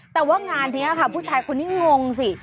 แต่ว่างานนี้ค่ะผู้ชายคนนี้งงสิ